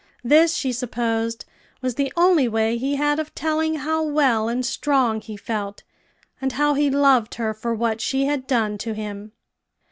This, she supposed, was the only way he had of telling how well and strong he felt, and how he loved her for what she had done to him.